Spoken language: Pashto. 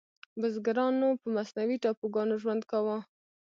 بزګرانو په مصنوعي ټاپوګانو ژوند کاوه.